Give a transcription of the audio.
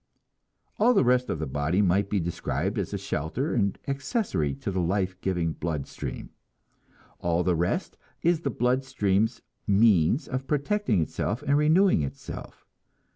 All the rest of the body might be described as a shelter and accessory to the life giving blood stream; all the rest is the blood stream's means of protecting itself and renewing itself.